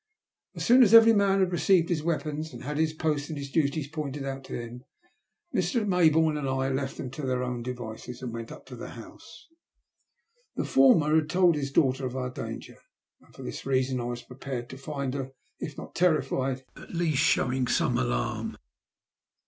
As soon as every man had received his weapons, and had had his post and his duties pointed out to Idnh A TEBHIBLE BUIIPBISE. 259 Ur. Maybourne and I left them to their own devices, and went up to the house. The former had told his daughter of our danger, and for this reason I was prepared to find her, if not terrified, at least showing some alarm.